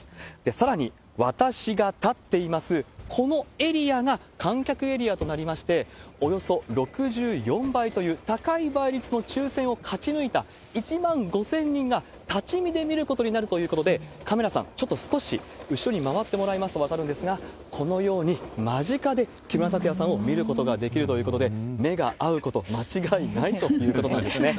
さらに、私が立っています、このエリアが観客エリアとなりまして、およそ６４倍という高い倍率の抽せんを勝ち抜いた１万５０００人が立ち見で見ることになるということで、カメラさん、ちょっと少し後ろに回ってもらいますと分かるんですが、このように間近で木村拓哉さんを見ることができるということで、目が合うこと間違いないということなんですね。